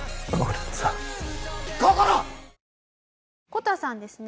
こたさんですね